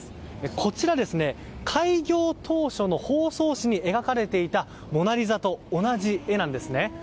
こちら、開業当初の包装紙に描かれていたモナリザと同じ絵なんですね。